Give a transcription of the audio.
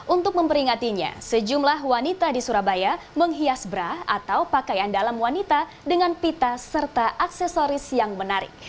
untuk memperingatinya sejumlah wanita di surabaya menghias bra atau pakaian dalam wanita dengan pita serta aksesoris yang menarik